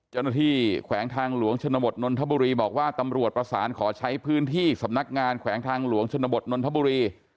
แขวงทางหลวงชนบทนนทบุรีบอกว่าตำรวจประสานขอใช้พื้นที่สำนักงานแขวงทางหลวงชนบทนนทบุรี